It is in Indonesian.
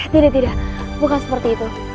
tidak tidak bukan seperti itu